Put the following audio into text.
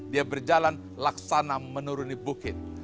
dia berjalan laksana menuruni bukit